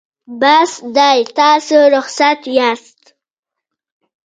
بس دی تاسو رخصت یاست.